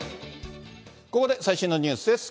ここで最新のニュースです。